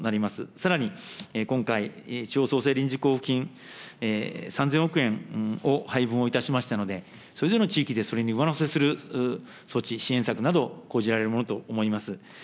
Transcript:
さらに、今回、地方創生臨時交付金３０００億円を配分をいたしましたので、それぞれの地域でそれに上乗せする措置、支援策などを講じられるものと思います。